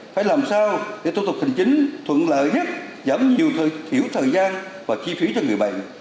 phải làm sao để thủ tục hình chính thuận lợi nhất giảm nhiều thời gian và chi phí cho người bệnh